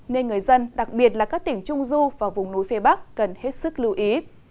nên người dân đặc biệt là các tỉnh trung du và vùng núi phía bắc cần hết sức lưu ý